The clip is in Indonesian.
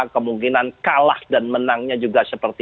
kemungkinan kalah dan menangnya juga seperti